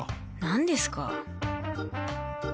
何ですか？